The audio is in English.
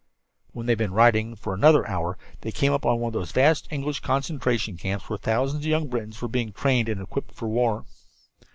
When they had been riding for another hour they came upon one of those vast English concentration camps where thousands of young Britons were being trained and equipped for war.